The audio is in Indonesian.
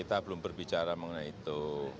kita belum berbicara mengenai itu